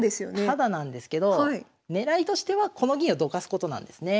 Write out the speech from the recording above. タダなんですけど狙いとしてはこの銀をどかすことなんですね。